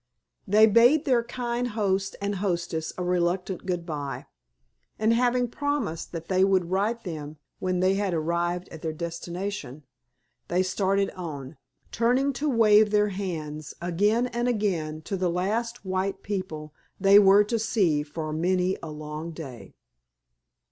They bade their kind host and hostess a reluctant good bye, and having promised that they would write them when they had arrived at their destination they started on, turning to wave their hands again and again to the last white people they were to see for many a long day.